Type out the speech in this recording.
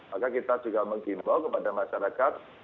maka kita juga menggimbau kepada masyarakat untuk segera mendaftar